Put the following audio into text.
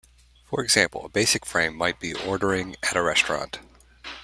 For example, a basic frame might be ordering at a restaurant.